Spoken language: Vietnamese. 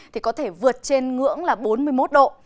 thì có thể vượt trên ngưỡng là bốn mươi một độ